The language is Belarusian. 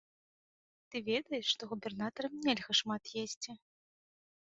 Ты ведаеш, што губернатарам нельга шмат есці?